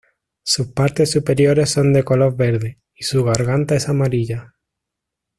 Sus partes superiores son de color verde, y su garganta es amarilla.